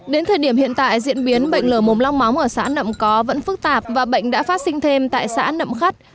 đến thời điểm hiện tại diễn biến bệnh lở mồm long móng ở xã nậm có vẫn phức tạp và bệnh đã phát sinh thêm tại xã nậm khắt